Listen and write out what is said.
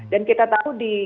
dan kita tahu di